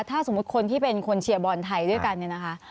ถ้าสมมุติคนที่เป็นคนเชียร์บอลไทยด้วยกันเนี่ยนะคะ